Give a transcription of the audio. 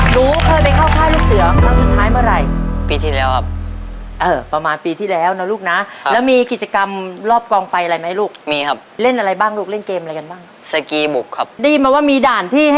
หนูก็เลยคิดว่าคำถามนี้ง่ายสำหรับหนูว่ะมากค่ะ